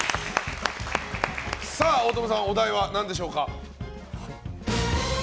大友さん、お題は何でしょうか。